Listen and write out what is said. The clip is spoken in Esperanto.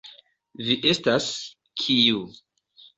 Vi estas, kiu.